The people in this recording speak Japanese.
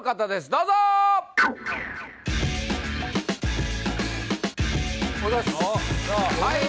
どうぞおはようございますはい